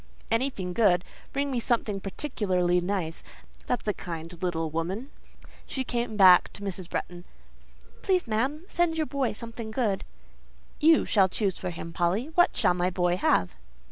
"Anything good. Bring me something particularly nice; that's a kind little woman." She came back to Mrs. Bretton. "Please, ma'am, send your boy something good." "You shall choose for him, Polly; what shall my boy have?"